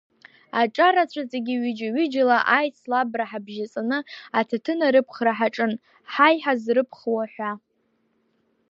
Аҿарацәа зегьы ҩыџьа-ҩыџьала аицлабра ҳабжьаҵаны аҭаҭын арыԥхра ҳаҿын, ҳаиҳа зрыԥхуа ҳәа.